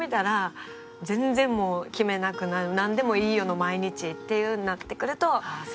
全然もう決めなくなる「なんでもいいよ」の毎日っていうふうになってくると。